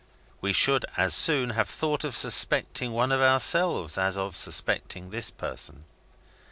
We should as soon have thought of suspecting one of ourselves as of suspecting this person.